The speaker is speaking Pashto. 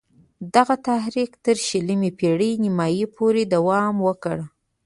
دغه تحریک تر شلمې پېړۍ نیمايی پوري دوام وکړ.